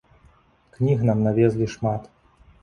Кніг нам навезлі шмат.